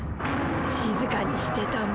しずかにしてたも。